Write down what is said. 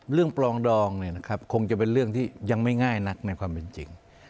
ปลองดองคงจะเป็นเรื่องที่ยังไม่ง่ายนักในความเป็นจริง